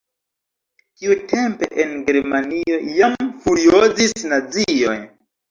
Tiutempe en Germanio jam furiozis nazioj.